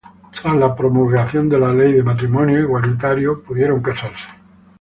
Tras la promulgación de la Ley de Matrimonio Igualitario pudieron casarse.